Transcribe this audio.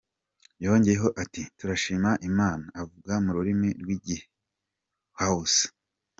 Yongeyeho ati "Turashima Imana,"avuga mu rurimi rw'igi Hausa.